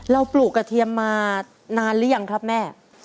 ปลูกกระเทียมมานานหรือยังครับแม่